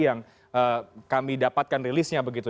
dan kami dapatkan rilisnya begitu